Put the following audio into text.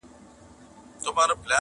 ستنيدل به په بېغمه زړه تر کوره،